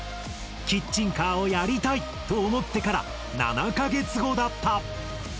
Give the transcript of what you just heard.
「キッチンカーをやりたい！」と思ってから７か月後だった。